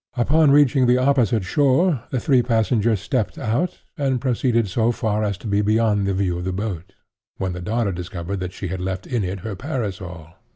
Upon reaching the opposite shore, the three passengers stepped out, and had proceeded so far as to be beyond the view of the boat, when the daughter discovered that she had left in it her parasol.